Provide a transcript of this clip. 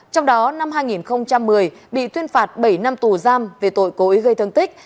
trong đó năm hai nghìn một mươi bị tuyên phạt bảy năm tù giam về tội cố ý gây thương tích